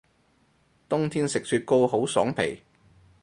冬天食雪糕好爽皮